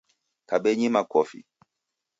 Kabenyi makofi.